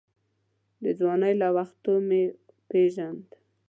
د ځوانۍ له وختو مې پېژاند.